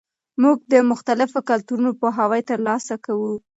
موږ د مختلفو کلتورونو پوهاوی ترلاسه کوو.